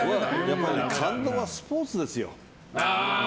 やっぱり感動はスポーツですよ。